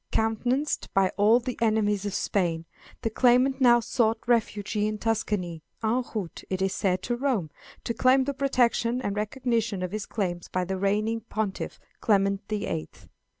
Countenanced by all the enemies of Spain, the claimant now sought refuge in Tuscany, en route, it is said, to Rome, to claim the protection and recognition of his claims by the reigning Pontiff, Clement the Eighth.